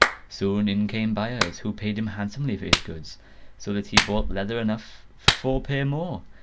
Soon in came buyers, who paid him handsomely for his goods, so that he bought leather enough for four pair more.